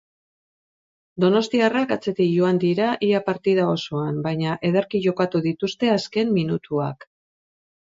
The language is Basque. Donostiarrak atzetik joan dira ia partida osoan baina ederki jokatu ditzute azken minutuak.